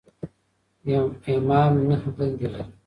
امام نهه دندې لري.